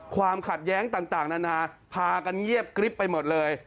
ความขัดแย้งต่างนานาพากันเงียบกริ๊บไปหมดเลย